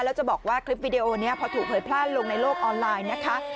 แล้วจะบอกว่าคลิปวิดีโอนี้พอถูกเผยแพร่ลงในโลกออนไลน์นะคะ